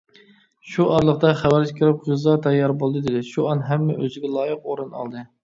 شۇ ئارىلىقتا خەۋەرچى كىرىپ: «غىزا تەييار بولدى» دېدى. شۇئان ھەممە ئۆزىگە لايىق ئورۇن ئالدى.